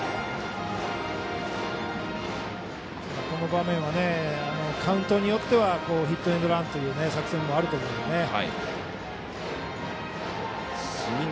この場面はカウントによってはヒットエンドランという作戦もあると思うのでね。